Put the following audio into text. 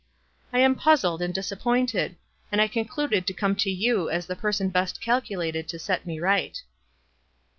I am puzzled and disappointed, and I concluded to come to you as the person best cal culated to set me right."